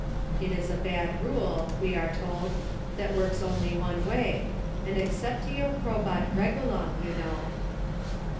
It is a bad rule, we are told, that works only one way, and Exceptio probat regulam, you know.